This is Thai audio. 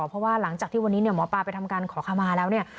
เพราะว่าหลังจากที่วันนี้เนี่ยหมอปลาไปทำการขอขมาแล้วเนี่ย